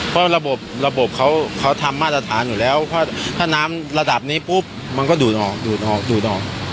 เพราะระบบระบบเขาทำมาตรฐานอยู่แล้วเพราะถ้าน้ำระดับนี้ปุ๊บมันก็ดูดออกดูดออกดูดออก